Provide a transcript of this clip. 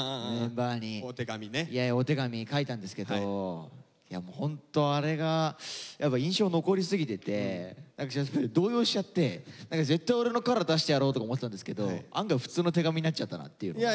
お手紙書いたんですけどやっぱホントあれが印象残りすぎてて動揺しちゃって絶対オレのカラー出してやろうとか思ってたんですけど案外普通の手紙になっちゃったなっていうのが。